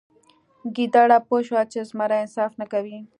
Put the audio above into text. ګیدړه پوه شوه چې زمری انصاف نه کوي.